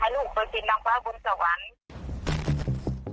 ให้ลูกเป็นนางฟ้าบนสวรรค์